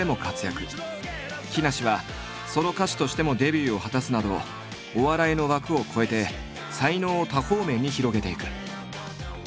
木梨はソロ歌手としてもデビューを果たすなどお笑いの枠を超えて才能を多方面に広げていく。